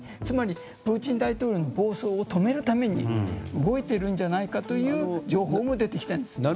つまりプーチン大統領の暴走を止めるために動いているんじゃないかという情報も出てきたんです。